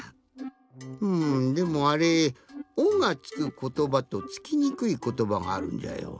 うんでもあれ「お」がつくことばとつきにくいことばがあるんじゃよ。